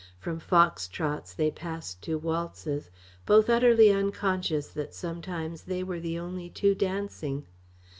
From fox trots they passed to waltzes, both utterly unconscious that sometimes they were the only two dancing.